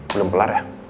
belum pelar ya